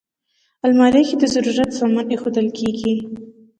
الماري کې د ضرورت سامان ایښودل کېږي